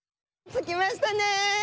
着きましたね！